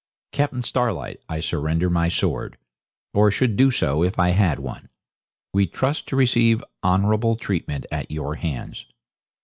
Captain Starlight, I surrender my sword or should do so if I had one. We trust to receive honourable treatment at your hands.'